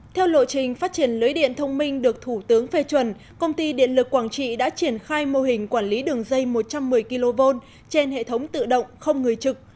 theo lộ trình phát triển lưới điện thông minh được thủ tướng phê chuẩn công ty điện lực quảng trị đã triển khai mô hình quản lý đường dây một trăm một mươi kv trên hệ thống tự động không người trực